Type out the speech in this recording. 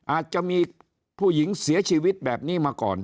อาจจะมีผู้หญิงเสียชีวิตแบบนี้มาก่อน